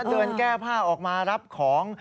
เดินแก้ผ้าออกมารับของ